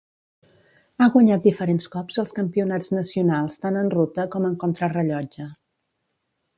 Ha guanyat diferents cops els campionats nacionals tant en ruta com en contrarellotge.